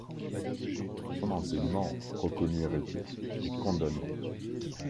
Son enseignement, reconnu hérétique, est condamné.